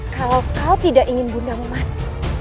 kalau kau tidak ingin bunda mati